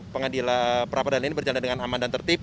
pengadilan pra peradilan ini berjalan dengan aman dan tertib